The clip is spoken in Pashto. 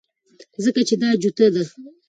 ځکه چې دا جوته ده